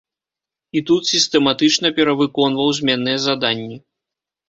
І тут сістэматычна перавыконваў зменныя заданні.